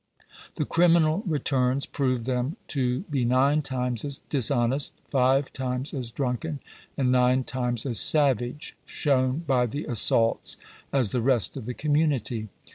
The Criminal Returns prove them to be nine times as dishonest, five times as drunken, and nine times as savage (shown by the assaults), as the rest of the community.